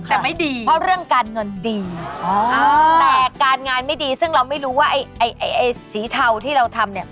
แต่ไม่ดีเพราะเรื่องการเงินดีแต่การงานไม่ดีซึ่งเราไม่รู้ว่าไอ้ไอ้สีเทาที่เราทำเนี่ย